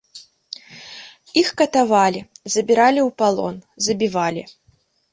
Іх катавалі, забіралі ў палон, забівалі.